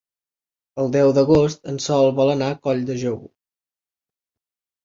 El deu d'agost en Sol vol anar a Colldejou.